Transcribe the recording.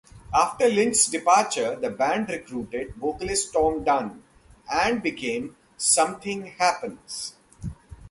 After Lynch's departure the band recruited vocalist Tom Dunne and became 'Something Happens'.